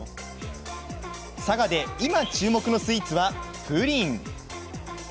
佐賀で今、注目のスイーツはプリン。